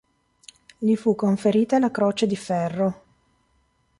Gli fu conferita la Croce di Ferro.